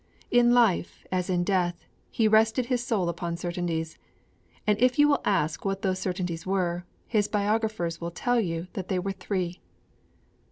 In life, as in death, he rested his soul upon certainties. And if you will ask what those certainties were, his biographers will tell you that they were three.